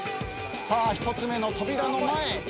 １つ目の扉の前。